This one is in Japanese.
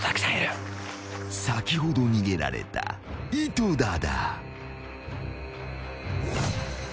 ［先ほど逃げられた井戸田だ］